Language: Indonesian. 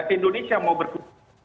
indonesia mau berkembang